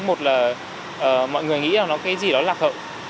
một là mọi người nghĩ là nó cái gì đó lạc hậu